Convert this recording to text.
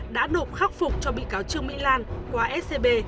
đã nộp khắc phục cho bị cáo trương mỹ lan qua scb